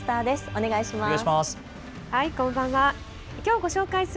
お願いします。